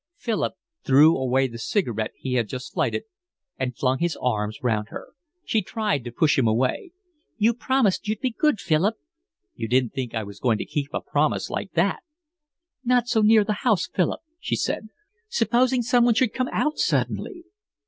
Philip threw away the cigarette he had just lighted, and flung his arms round her. She tried to push him away. "You promised you'd be good, Philip." "You didn't think I was going to keep a promise like that?" "Not so near the house, Philip," she said. "Supposing someone should come out suddenly?"